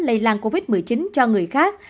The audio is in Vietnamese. lây lan covid một mươi chín cho người khác